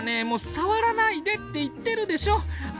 もう触らないでって言ってるでしょ！